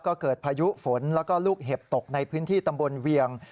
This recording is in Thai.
ก็เกิดพายุฝนแล้วก็ลูกเห็บตกในพื้นที่ตำบลเวียง